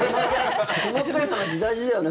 細かい話、大事だよね。